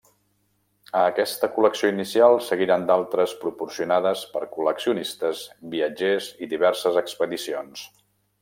A aquesta col·lecció inicial seguiren d'altres proporcionades per col·leccionistes, viatgers i diverses expedicions.